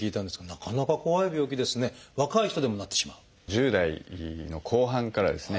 １０代の後半からですね